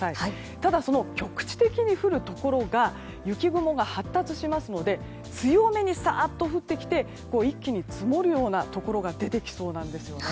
ただ、局地的に降るところが雪雲が発達しますので強めにざっと降ってきて一気に積もるようなところが出てきそうなんですよね。